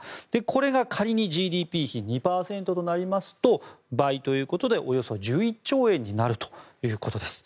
これが仮にＧＤＰ比２％となりますと倍ということでおよそ１１兆円になるということです。